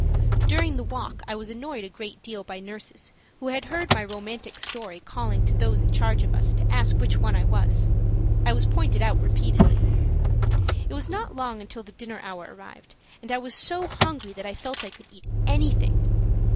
During the walk I was annoyed a great deal by nurses who had heard my romantic story calling to those in charge of us to ask which one I was. I was pointed out repeatedly. It was not long until the dinner hour arrived and I was so hungry that I felt I could eat anything.